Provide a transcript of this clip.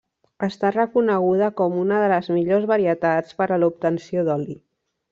Està reconeguda com una de les millors varietats per a l'obtenció d'oli.